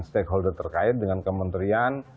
stakeholder terkait dengan kementerian